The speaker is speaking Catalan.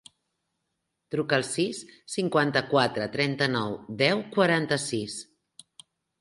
Truca al sis, cinquanta-quatre, trenta-nou, deu, quaranta-sis.